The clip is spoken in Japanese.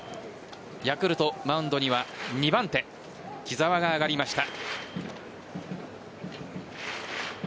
ヤクルト、マウンドには２番手木澤が上がりました。